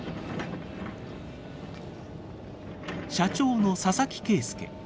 社長の佐々木圭亮。